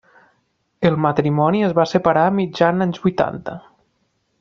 El matrimoni es va separar a mitjan anys vuitanta.